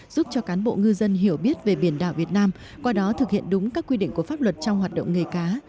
giúp cho cán bộ ngư dân hiểu biết về biển đảo việt nam qua đó thực hiện đúng các quy định của pháp luật trong hoạt động nghề cá